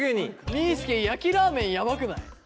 みーすけ焼きラーメンヤバくない？